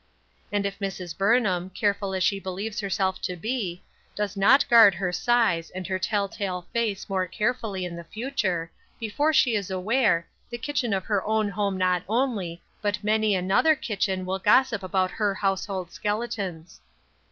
And if Mrs. Burnham, careful as she believes herself to be, does not guard her sighs and her tell tale face more carefully in the future, before she is aware, the kitchen of her own home not only, but many another kitchen will gossip about her household skeletons.